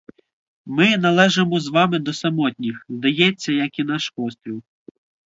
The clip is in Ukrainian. Ми належимо з вами до самотніх, здається, як і наш острів.